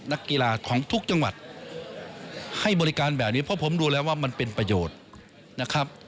นักกีฬาของทุกจังหวัดให้บริการแบบนี้เพราะผมดูแล้วว่ามันเป็นประโยชน์นะครับ